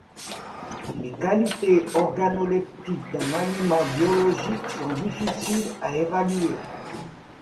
Les qualités organoleptiques d'un aliment biologique sont difficiles à évaluer.